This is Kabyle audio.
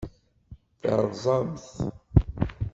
Terẓam-t?